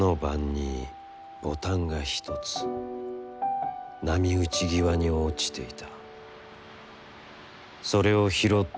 月夜の晩に、ボタンが一つ波打際に、落ちていた。